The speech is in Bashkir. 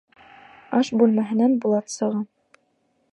Аш бүлмәһенән Булат сыға.